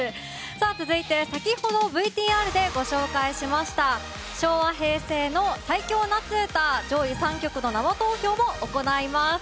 さあ続いては先ほどＶＴＲでご紹介しました昭和・平成の最強夏うた上位３曲の生投票を行います。